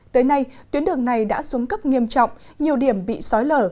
tới nay tuyến đường này đã xuống cấp nghiêm trọng nhiều điểm bị sói lở